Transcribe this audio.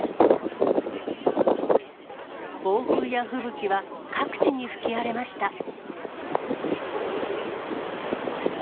暴風や吹雪は各地に吹き荒れました。